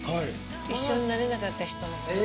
一緒になれなかった人の。